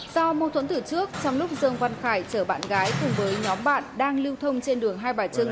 do mâu thuẫn từ trước trong lúc dương văn khải chở bạn gái cùng với nhóm bạn đang lưu thông trên đường hai bà trưng